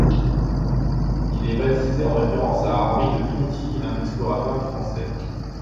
Il est baptisé en référence à Henri de Tonti, un explorateur français.